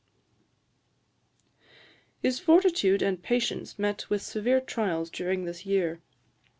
His fortitude and patience met with severe trials during this year.